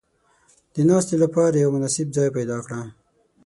• د ناستې لپاره یو مناسب ځای پیدا کړه.